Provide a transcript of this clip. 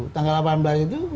tanggal delapan belas itu